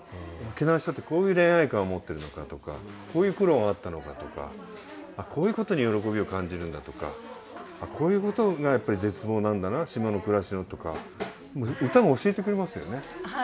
沖縄の人ってこういう恋愛観を持ってるのかとかこういう苦労があったのかとかこういうことに喜びを感じるんだとかこういうことがやっぱり絶望なんだな島の暮らしのとか唄が教えてくれますよね。